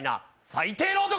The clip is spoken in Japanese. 最低の男！